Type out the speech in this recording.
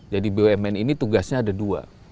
jadi bumn ini tugasnya ada dua